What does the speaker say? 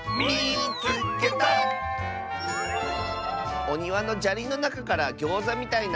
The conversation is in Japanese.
「おにわのじゃりのなかからギョーザみたいないしをはっけん！」。